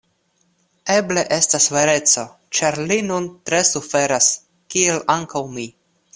Eble estas vereco, ĉar li nun tre suferas, kiel ankaŭ mi.